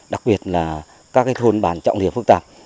đặc biệt là các thôn bản trọng điểm phức tạp